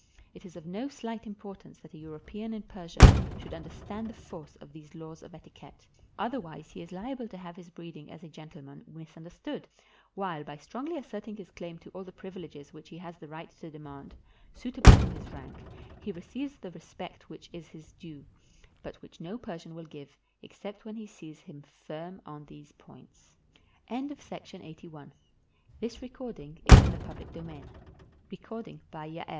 It is of no slight importance that a European in Persia should understand the force of these laws of etiquette, otherwise he is liable to have his breeding as a gentleman misunderstood ; while by strongly asserting his claim to all the privileges which he has the right to demand, suitable to his rank, he receives the respect which is his due, but which no Persian will give except when he sees him firm on these points. MAKING A PRESENT TO AN OFFICIAL [About 1885I BY S. G. W. BENJAMIN T